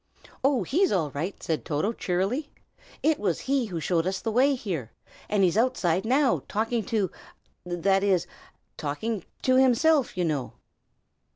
"Oh, he is all right!" said Toto, cheerily. "It was he who showed us the way here; and he's outside now, talking to that is talking to himself, you know."